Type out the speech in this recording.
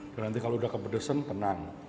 dan nanti kalau sudah terpedes tenang